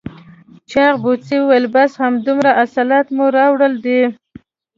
چاغ پوځي وویل بس همدومره حاصلات مو راوړل دي؟